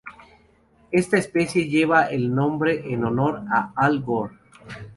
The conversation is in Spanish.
Esta especie lleva el nombre en honor a Al Gore.